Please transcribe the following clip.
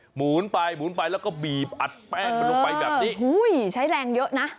หมุนไปแล้วก็บีบอัดแป้งลงไปแบบนี้ใช้แรงเยอะนะ